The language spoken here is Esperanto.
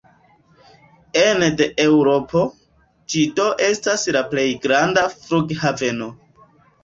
Ene de Eŭropo, ĝi do estas la plej granda flughaveno.